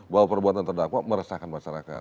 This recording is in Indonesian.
bahwa perbuatan terdakwa meresahkan masyarakat